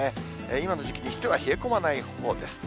今の時期にしては、冷え込まないほうです。